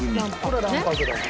これは卵白だ。